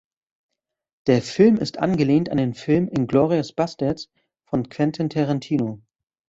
Der Film ist angelehnt an den Film "Inglourious Basterds" von Quentin Tarantino.